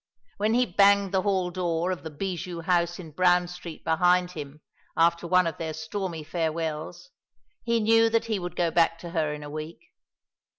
When he banged the hall door of the bijou house in Brown Street behind him after one of their stormy farewells he knew that he would go back to her in a week.